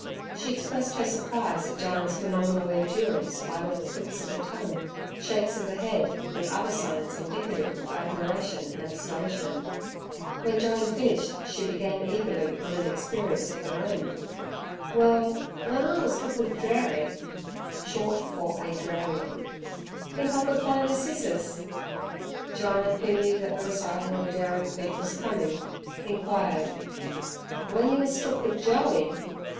She expressed her surprise at Jyne's phenomenal endurance by little clicks of the tongue, shakes of the head, and other signs indicative of admiration and astonishment. When Jyne finished, she began eagerly on an experience of her own. "Well, w'en I wus took with Drary" (short for Adrarian) "think I could fin' ther sissers?" Jyne, who knew that the recital of a daring feat was coming, inquired, "W'en yer wus took with Joey?"